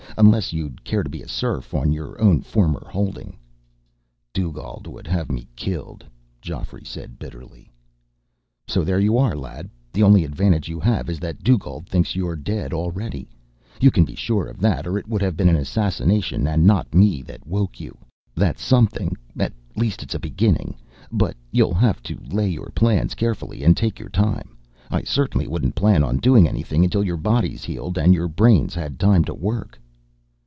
Unless you'd care to be a serf on your own former holding?" "Dugald would have me killed," Geoffrey said bitterly. "So there you are, lad. The only advantage you have is that Dugald thinks you're dead already you can be sure of that, or it would have been an assassin, and not me, that woke you. That's something, at least. It's a beginning, but you'll have to lay your plans carefully, and take your time. I certainly wouldn't plan on doing anything until your body's healed and your brain's had time to work."